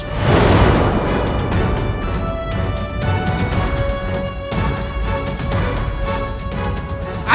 terus bagaimana ini